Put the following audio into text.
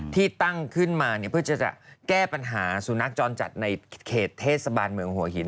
ที่ตั้งขึ้นมาเพื่อจะแก้ปัญหาสุนัขจรจัดในเขตเทศบาลเมืองหัวหิน